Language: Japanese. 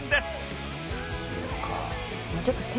「そうか」